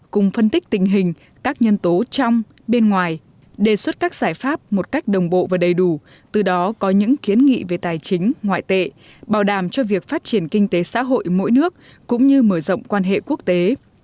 cùng phân tích tình hình các nhân tố trong bên ngoài đề xuất các giải pháp một cách đồng bộ và đầy đủ từ đó có những kiến nghị về tài chính ngoại tệ bảo đảm cho việc phát triển kinh tế xã hội mỗi nước cũng như mở rộng quan hệ quốc tế